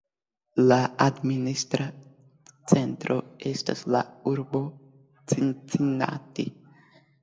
La administra centro estas la urbo Cincinnati.